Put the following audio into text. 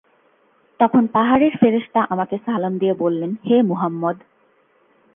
তখন পাহাড়ের ফেরেশতা আমাকে সালাম দিয়ে বললেন, হে মুহাম্মদ!